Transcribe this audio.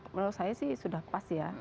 menurut saya sih sudah pas ya